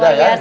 udah ya udah